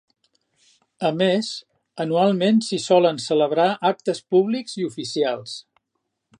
A més, anualment s'hi solen celebrar actes públics i oficials.